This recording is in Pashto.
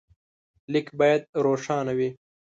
لیک باید روښانه وي.